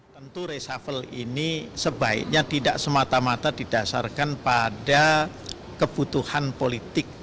tentu reshuffle ini sebaiknya tidak semata mata didasarkan pada kebutuhan politik